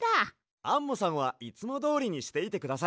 アンモさんはいつもどおりにしていてください。